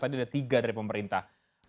tadi ada tiga dari pemerintah